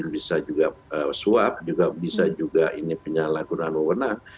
bisa juga suap bisa juga ini penyalahgunaan wawonan